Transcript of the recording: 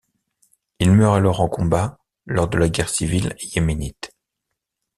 Il meurt alors en combat lors de la guerre civile yéménite.